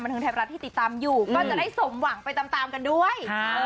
ทางไทยรัฐที่ติดตามอยู่ก็จะได้สมหวังไปตามกันด้วย